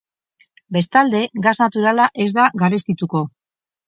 Bestalde, gas naturala ez da garestituko.